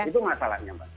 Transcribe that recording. itu masalahnya mbak